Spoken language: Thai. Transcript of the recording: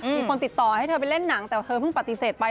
มีคนติดต่อให้เธอไปเล่นหนังแต่เธอเพิ่งปฏิเสธไป